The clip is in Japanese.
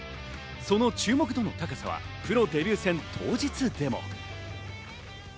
その注目度の高さはプロデビュー戦当日でも。